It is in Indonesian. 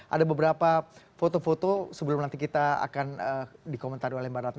ada beberapa foto foto sebelum nanti kita akan dikomentari oleh mbak ratna